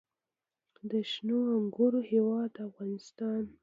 د شنو انګورو هیواد افغانستان.